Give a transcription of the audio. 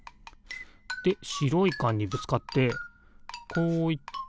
でしろいかんにぶつかってこういってこういって。